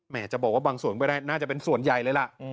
จะบอกว่าบางส่วนก็ได้น่าจะเป็นส่วนใหญ่เลยล่ะ